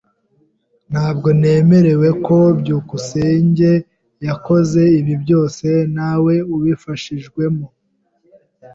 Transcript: Ntabwo nemera ko byukusenge yakoze ibi byose ntawe ubifashijwemo.